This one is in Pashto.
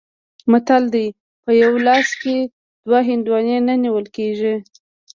متل دی: په یوه لاس کې دوه هندواڼې نه نیول کېږي.